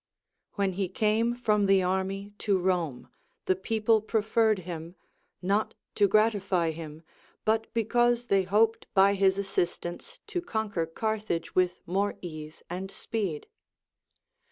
* When he came from the army to Rome, the people pre ferred him, not to gratify him, but because they hoped by his assistance to conquer Carthage with more ease and speed.